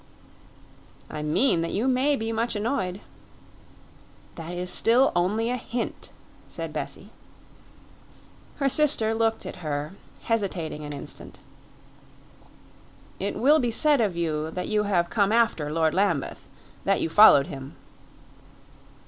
"I mean that you may be much annoyed." "That is still only a hint," said Bessie. Her sister looked at her, hesitating an instant. "It will be said of you that you have come after Lord Lambeth that you followed him."